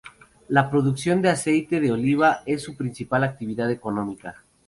La producción de aceite de oliva es su principal actividad económica.